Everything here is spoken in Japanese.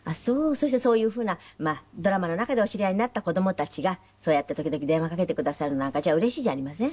そしてそういう風なドラマの中でお知り合いになった子どもたちがそうやって時々電話かけてくださるのなんかうれしいじゃありません？